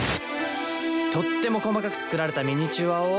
とっても細かく作られたミニチュアを。